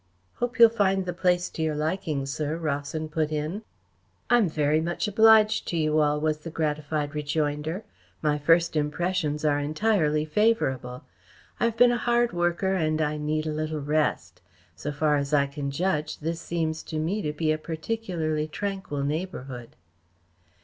"Hope you'll find the place to your liking, sir," Rawson put in. "I am very much obliged to you all," was the gratified rejoinder. "My first impressions are entirely favourable. I have been a hard worker and I need a little rest. So far as I can judge, this seems to me to be a particularly tranquil neighbourhood."